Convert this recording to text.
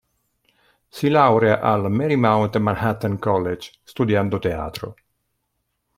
Si laurea al Marymount Manhattan College, studiando teatro.